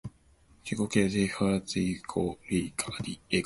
自行掌控自制芯片來源，將重新扮演關鍵影響。